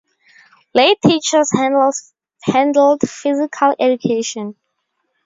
Lay teachers handled physical education.